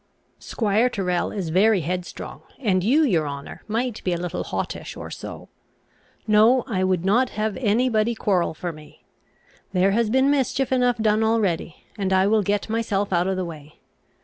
"Squire Tyrrel is very headstrong, and you, your honour, might be a little hottish, or so. No, I would not have any body quarrel for me. There has been mischief enough done already; and I will get myself out of the way.